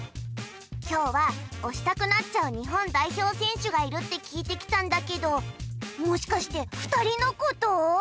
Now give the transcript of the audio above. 今日は推したくなっちゃう日本代表選手がいるって聞いてきたんだけどもしかして二人のこと？